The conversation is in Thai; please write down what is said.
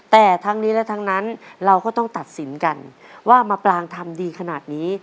แต่ทั้งนี้และทั้งนั้นเราก็ต้องตัดสินกันว่ามะปรางทำดีขนาดนี้